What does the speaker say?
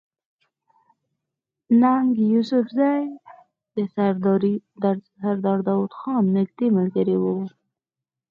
ننګ يوسفزۍ د سردار داود خان نزدې ملګری وو